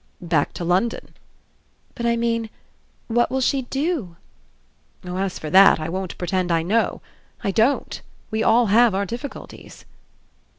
"Back to London." "But I mean what will she do?" "Oh as for that I won't pretend I know. I don't. We all have our difficulties."